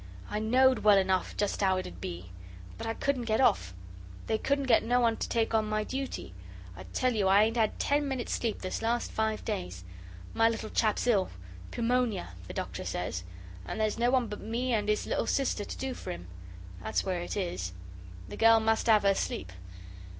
I know'd well enough just how it 'ud be. But I couldn't get off. They couldn't get no one to take on my duty. I tell you I ain't had ten minutes' sleep this last five days. My little chap's ill pewmonia, the Doctor says and there's no one but me and 'is little sister to do for him. That's where it is. The gell must 'ave her sleep.